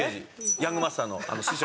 『ヤング・マスター』の師匠。